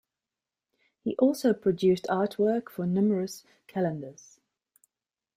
He also produced artwork for numerous calendars.